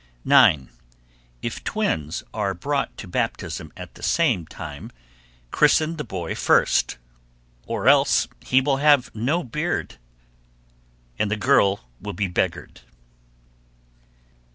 9. If twins are brought to baptism at the same time, christen the boy first, or else he will have no beard, and the girl will be beggared.